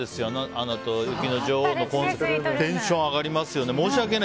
「アナと雪の女王」のコンセプトルームテンション上がりますね。